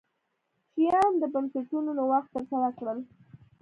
شیام د بنسټونو نوښت ترسره کړل.